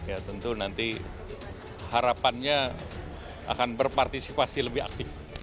ya tentu nanti harapannya akan berpartisipasi lebih aktif